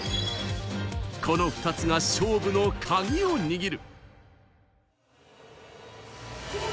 この２つが勝負のカギを握る。